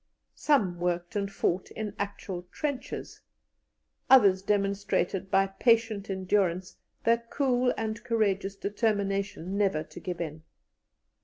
Some worked and fought in actual trenches; others demonstrated by patient endurance their cool and courageous determination never to give in.